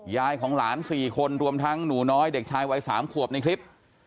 ยายของหลาน๔คนรวมทั้งหนูน้อยเด็กชายวัย๓ขวบในคลิป